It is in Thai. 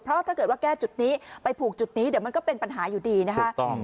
เพราะถ้าเกิดว่าแก้จุดนี้ไปผูกจุดนี้เดี๋ยวมันก็เป็นปัญหาอยู่ดีนะคะ